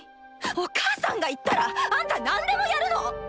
お母さんが言ったらあんたなんでもやるの⁉